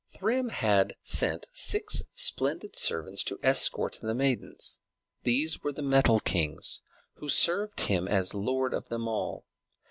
Thrym had sent six splendid servants to escort the maidens: these were the Metal Kings, who served him as lord of them all.